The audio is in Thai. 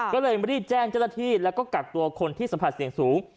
ก็เลยรีบแจ้งเจ้าหน้าที่แล้วก็กักตัวคนที่สัมผัสเสี่ยงสูง